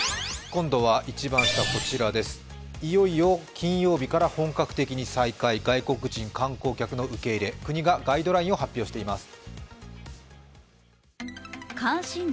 今度は、いよいよ金曜日から本格的に再開外国人観光客の受け入れ国がガイドラインを発表しています。